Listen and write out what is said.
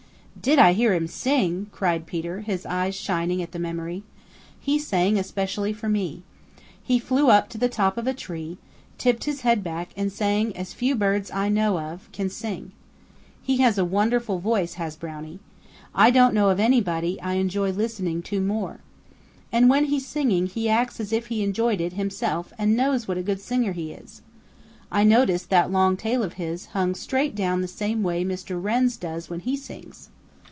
"Did I hear him sing!" cried Peter, his eyes shining at the memory. "He sang especially for me. He flew up to the top of a tree, tipped his head back and sang as few birds I know of can sing. He has a wonderful voice, has Brownie. I don't know of anybody I enjoy listening to more. And when he's singing he acts as if he enjoyed it himself and knows what a good singer he is. I noticed that long tail of his hung straight down the same way Mr. Wren's does when he sings."